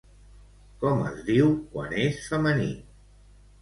Com es diu quan és femení?